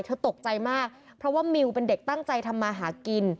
ตกใจมากเพราะว่ามิวเป็นเด็กตั้งใจทำมาหากิน